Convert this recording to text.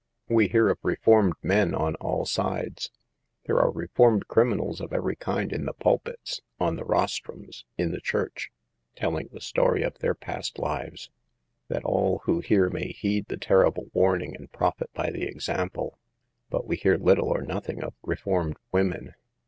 We hear of reformed men on all sides ; there are reformed criminals of every kind in the pulpits, on the rostrums, in the church, telling the story of their past lives, that all who hear may heed the terrible warning and profit by the example; but we hear little or nothing of "reformed women."